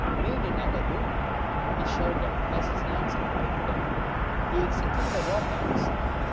"Made in our loom!" he shouted as with hands uplifted he executed a war dance.